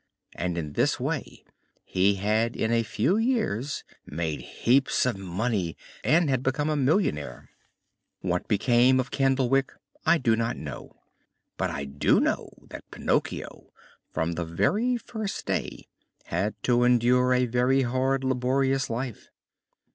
And in this way he had in a few years made heaps of money and had become a millionaire. What became of Candlewick I do not know, but I do know that Pinocchio from the very first day had to endure a very hard, laborious life.